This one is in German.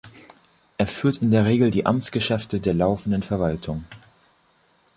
Er führt in der Regel die Amtsgeschäfte der laufenden Verwaltung.